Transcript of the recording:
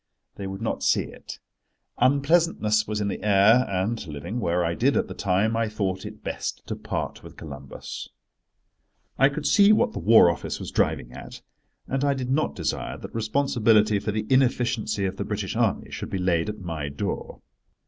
They would not see it. Unpleasantness was in the air, and, living where I did at the time, I thought it best to part with Columbus. I could see what the War Office was driving at, and I did not desire that responsibility for the inefficiency of the British Army should be laid at my door.